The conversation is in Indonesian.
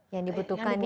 yang dibutuhkan ya